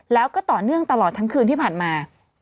แล้วก็ต่อเนื่องตลอดทั้งคืนที่ผ่านมา